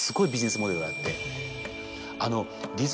があって。